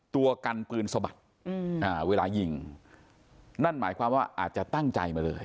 ตัวกันปืนสะบัดเวลายิงนั่นหมายความว่าอาจจะตั้งใจมาเลย